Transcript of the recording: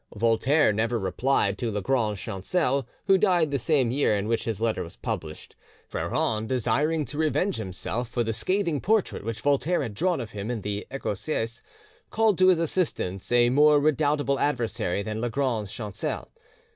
Voltaire never replied to Lagrange Chancel, who died the same year in which his letter was published. Freron desiring to revenge himself for the scathing portrait which Voltaire had drawn of him in the 'Ecossaise', called to his assistance a more redoubtable adversary than Lagrange Chancel.